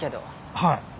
はい。